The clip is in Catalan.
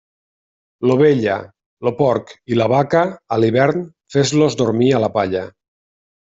L'ovella, el porc i la vaca, a l'hivern fes-los dormir a la palla.